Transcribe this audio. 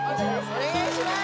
お願いします